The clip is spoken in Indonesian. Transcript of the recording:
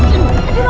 satu dua tiga